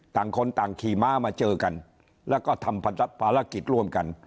ต่างคนต่างขี่ม้ามาเจอกันแล้วก็ทำภารกิจร่วมกัน